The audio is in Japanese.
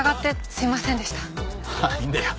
いいんだよ。